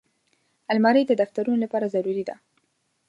الماري د دفترونو لپاره ضروري ده